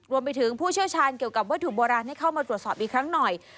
ผู้เชี่ยวชาญเกี่ยวกับวัตถุโบราณให้เข้ามาตรวจสอบอีกครั้งหน่อย